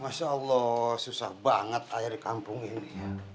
masya allah susah banget air di kampung ini